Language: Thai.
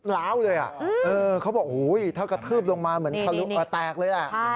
ล้าวเลยเขาบอกถ้ากระทืบลงมาเหมือนทะลุแตกเลยแหละ